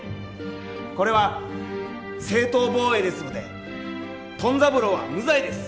これは正当防衛ですのでトン三郎は無罪です！